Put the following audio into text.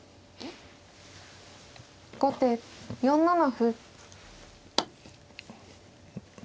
後手４七歩。